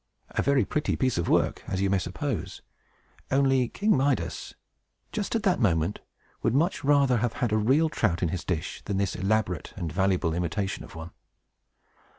A very pretty piece of work, as you may suppose; only King Midas, just at that moment, would much rather have had a real trout in his dish than this elaborate and valuable imitation of one.